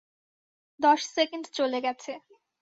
দশ সেকেন্ড চলে গেছে।